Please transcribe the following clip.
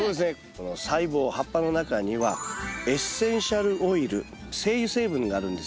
この細胞葉っぱの中にはエッセンシャルオイル精油成分があるんですよ。